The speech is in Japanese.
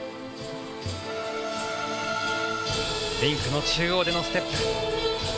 リンクの中央でのステップ。